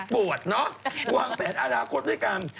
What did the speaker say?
ปวดเนาะวางแผนอาราคตด้วยกัน